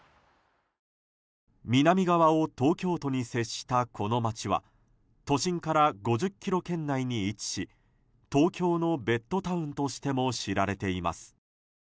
南側を東京都に接したこの町は都心から５０ｋｍ圏内に位置し東京のベッドタウンとしても知られています。